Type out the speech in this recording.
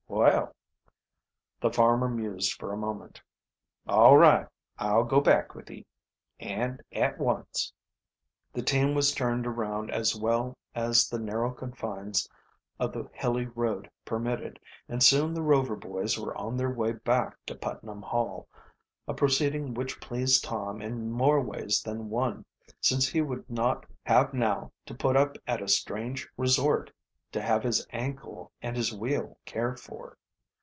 Well " The farmer mused for a moment. "All right, I'll go back with ye and at once." The team was turned around as well as the narrow confines of the hilly road permitted, and soon the Rover boys were on their way back to Putnam Hall, a proceeding which pleased Tom in more ways than one, since he would not have now to put up at a strange resort to have his ankle and his wheel cared for.